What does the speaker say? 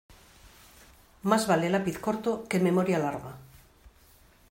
Más vale lápiz corto que memoria larga.